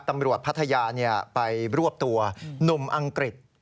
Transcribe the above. พัทยาไปรวบตัวหนุ่มอังกฤษ